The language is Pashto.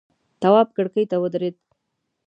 تواب کرکۍ ته ودرېد.